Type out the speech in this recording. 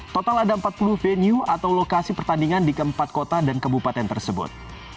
total ada empat puluh venue atau lokasi pertandingan di keempat kota dan kebupaten tersebut